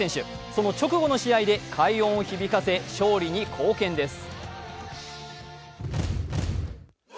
その直後の試合で快音を響かせ勝利に貢献です。